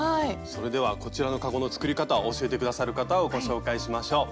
それではこちらのかごの作り方を教えて下さる方をご紹介しましょう。